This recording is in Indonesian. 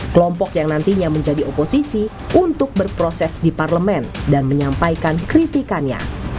kelompok yang nantinya menjadi oposisi untuk berproses di parlemen dan menyampaikan kritikannya